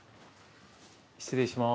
失礼します。